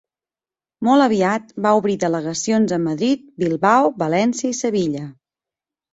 Molt aviat va obrir delegacions a Madrid, Bilbao, València i Sevilla.